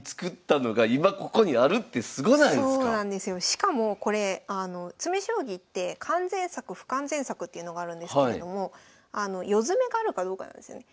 しかもこれ詰将棋って完全作不完全作っていうのがあるんですけれども余詰があるかどうかなんですよね。